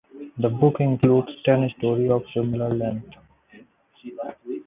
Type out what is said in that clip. The book includes ten stories of similar length.